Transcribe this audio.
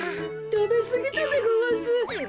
たべすぎたでごわす。